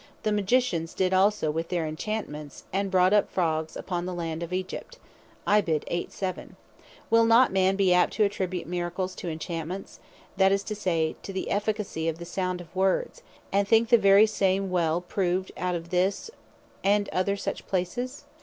8. 7.) "the Magicians also did so with their Enchantments, and brought up frogs upon the land of Egypt;" will not a man be apt to attribute Miracles to Enchantments; that is to say, to the efficacy of the sound of Words; and think the same very well proved out of this, and other such places?